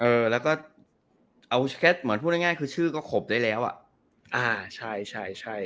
เออแล้วก็เอาแค่เหมือนพูดง่ายง่ายคือชื่อก็ขบได้แล้วอ่ะอ่าใช่ใช่ใช่